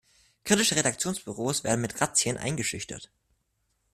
Kritische Redaktionsbüros werden mit Razzien eingeschüchtert.